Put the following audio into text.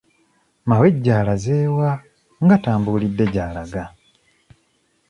Mawejje alaze wa nga tambuulidde gy'alaga?